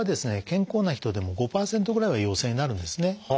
健康な人でも５％ぐらいは陽性になるんですね。